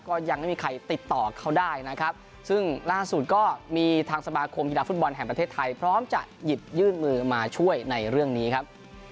ก็ยังไม่มีใครติดต่อเขาได้นะครับซึ่งล่าสุดก็มีทางสมาคมกีฬาฟุตบอลแห่งประเทศไทยพร้อมจะหยิบยื่นมือมาช่วยในเรื่องนี้ครับ